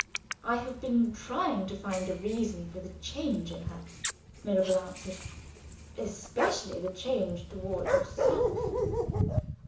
"I have been trying to find a reason for the change in her," Mirabel answered "especially the change toward yourself."